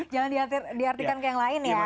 jangan di artikan ke yang lain ya